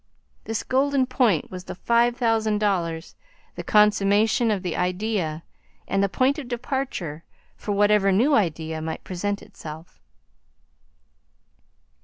This golden point was the five thousand dollars, the consummation of the idea and the point of departure for whatever new idea might present itself.